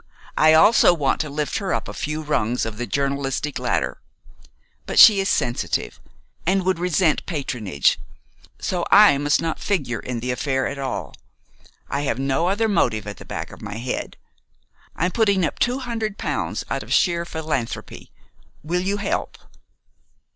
I also want to lift her up a few rungs of the journalistic ladder. But she is sensitive, and would resent patronage; so I must not figure in the affair at all. I have no other motive at the back of my head. I'm putting up two hundred pounds out of sheer philanthropy. Will you help?"